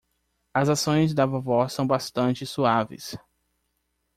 As ações da vovó são bastante suaves